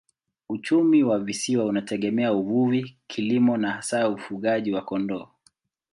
Uchumi wa visiwa unategemea uvuvi, kilimo na hasa ufugaji wa kondoo.